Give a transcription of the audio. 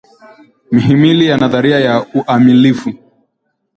Mihimili ya Nadharia ya Uamilifu